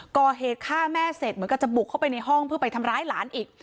ก่อเหตุฆ่าแม่เสร็จเหมือนกับจะบุกเข้าไปในห้องเพื่อไปทำร้ายหลานอีก